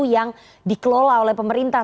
yang dikelola oleh pemerintah